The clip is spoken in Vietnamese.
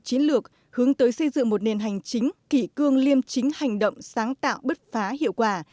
chiến lược hướng tới xây dựng một nền hành chính kỷ cương liêm chính hành động sáng tạo bứt phá hiệu quả